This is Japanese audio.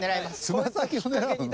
つま先を狙うの？